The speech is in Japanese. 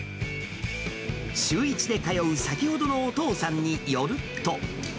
週１で通う、先ほどのお父さんによると。